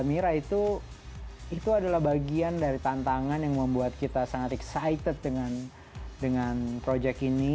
mbak mira itu itu adalah bagian dari tantangan yang membuat kita sangat excited dengan dengan project ini